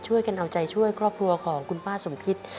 ช่วยกันเอาใจช่วยครอบครัวของคุณป้าสมคิต